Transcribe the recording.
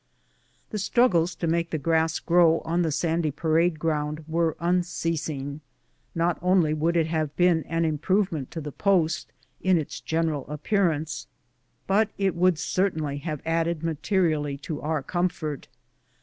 The struggles to make the grass grow on the sandy parade ground were unceasing. Not only would it have been an improvement to the post, in its general appear ance, but it would certainly have added materially to our comfort.